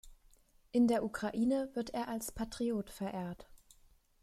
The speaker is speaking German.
In der Ukraine wird er als Patriot verehrt.